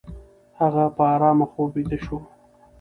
هغه په آرامه خوب ویده شو.